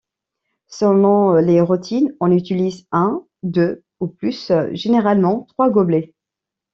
Selon les routines, on utilise un, deux ou plus, généralement trois gobelets.